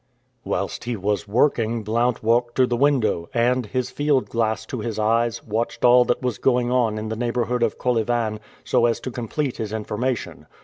Whilst he was working Blount walked to the window and, his field glass to his eyes, watched all that was going on in the neighborhood of Kolyvan, so as to complete his information.